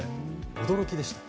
驚きでした。